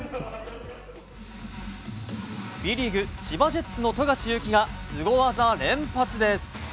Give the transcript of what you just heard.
Ｂリーグ千葉ジェッツの富樫勇樹がスゴ技連発です！